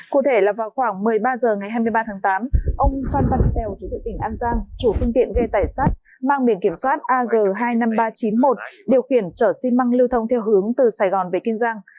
cụ thể là vào khoảng một mươi ba h ngày hai mươi ba tháng tám ông phan văn xeo chủ tịch tỉnh an giang chủ phương tiện ghe tải sát mang biển kiểm soát ag hai mươi năm nghìn ba trăm chín mươi một điều khiển chở xi măng lưu thông theo hướng từ sài gòn về kiên giang